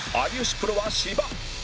プロは芝